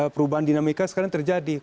perubahan dinamika sekarang terjadi